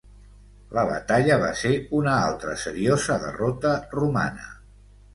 La batalla va ser una altra seriosa derrota romana.